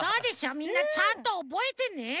みんなちゃんとおぼえてね。